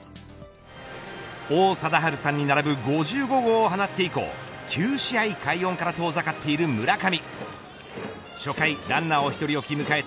王貞治さんに並ぶ５５号を放って以降９試合快音から遠ざかっている村上。